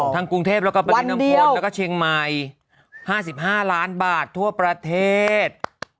กรุงเทพแล้วก็ปริมพลแล้วก็เชียงใหม่๕๕ล้านบาททั่วประเทศ